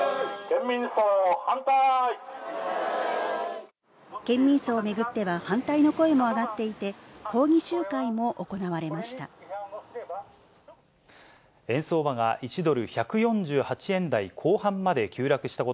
県民葬を巡っては、反対の声も上がっていて、抗議集会も行われました。